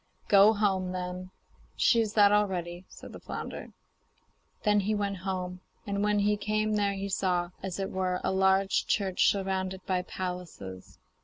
'Go home, then; she is that already,' said the flounder. Then he went home, and when he came there he saw, as it were, a large church surrounded by palaces.